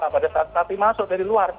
pada saat dimasuk dari luar